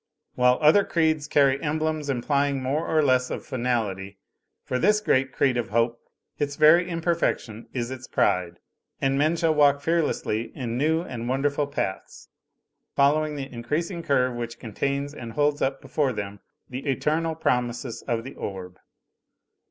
While THE SOCIETY OF SIMPLE SOULS 79 other creeds carry emblems implying more or less of finality, for this great creed of hope its very imperfec tion is its pride, and men shall walk fearlessly in new and wonderful paths, following the increasing curve which contains and holds up before them the eternal promises of the orb."